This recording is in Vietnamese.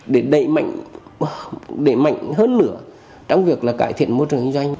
để đẩy mạnh hơn nữa trong việc là cải thiện môi trường doanh